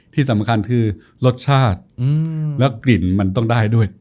ที่สำคัญคือรสชาติแล้วกลิ่นมันต้องได้ด้วย